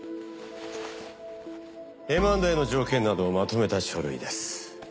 Ｍ＆Ａの条件などをまとめた書類です。